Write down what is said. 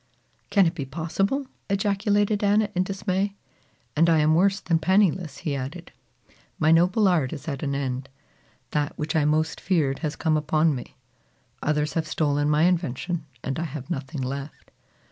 "Can it be possible?" ejaculated Anna in dismay. "And I am worse than penniless," he added. "My noble art is at an end. That which I most feared has come upon me. Others have stolen my invention and I have nothing left."